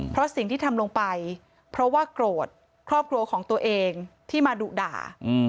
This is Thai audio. เพราะสิ่งที่ทำลงไปเพราะว่าโกรธครอบครัวของตัวเองที่มาดุด่า